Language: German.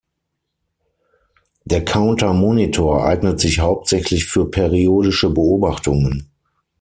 Der Counter Monitor eignet sich hauptsächlich für periodische Beobachtungen.